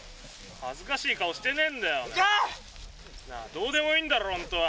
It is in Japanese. どうでもいいんだろホントは。